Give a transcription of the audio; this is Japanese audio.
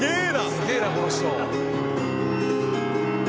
すげえなこの人。